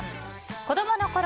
子供のころ